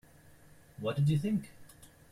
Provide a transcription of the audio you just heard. What did you think?